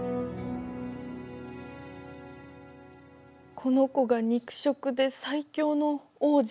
この子が肉食で最強の王者。